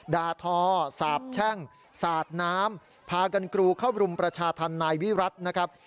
ดาทอสาบแช่งสาดน้ำพากันกรูเข้ารุมประชาธรรมนายวิรัตินะครับ